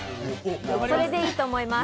それでいいと思います。